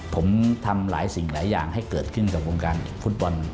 ผมทำหลายสิ่งหลายอย่างให้เกิดขึ้นกับวงการฟุตบอล